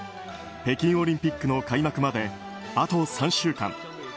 北京オリンピックの開幕まであと３週間。